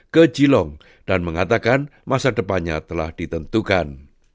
ke cilong dan mengatakan masa depannya telah ditentukan